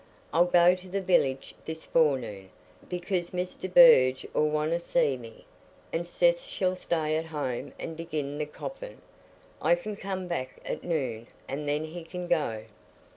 I'll go to the village this forenoon, because Mr. Burge 'ull want to see me, and Seth shall stay at home and begin the coffin. I can come back at noon, and then he can go."